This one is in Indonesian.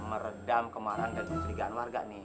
meredam kemaran dan kecerigaan warga nih